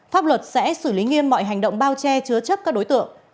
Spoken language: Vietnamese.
pháp luật sẽ xử lý nghiêm mọi hành động bao che chứa chấp các đối tượng